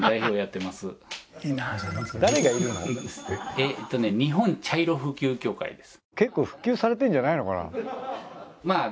えっとね日本茶色普及協会です。